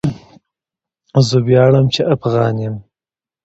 زه ویاړم چی افغان يم